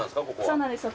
そうなんですよ。